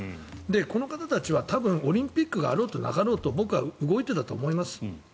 この方たちはオリンピックがあろうとなかろうと僕は動いていたと思います。